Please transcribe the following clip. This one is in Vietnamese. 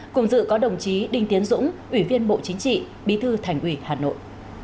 cùng dự có đồng chí đinh tiến dũng ủy viên bộ chính trị bí thư thành ủy hà nội